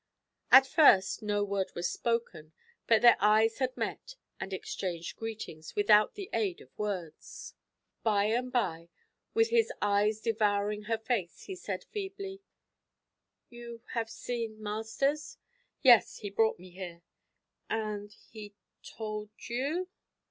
At first no word was spoken, but their eyes had met and exchanged greetings, without the aid of words. By and by, with his eyes devouring her face, he said feebly: 'You have seen Masters?' 'Yes, he brought me here.' 'And he told you